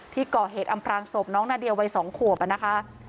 ที่ก่อเหตุอำพรางศพน้องนาเดียวัย๒ขวบนะคะ